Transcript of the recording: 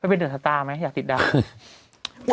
ไปเป็นเดือดศัตราไหมอยากติดดาวน์